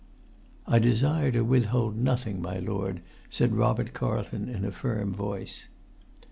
"I desire to withhold nothing, my lord," said Robert Carlton in a firm voice.